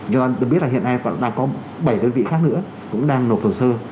cho nên tôi biết là hiện nay chúng ta có bảy đơn vị khác nữa cũng đang nộp hồ sơ